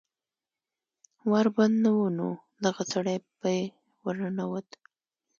ور بند نه و نو دغه سړی پې ور ننوت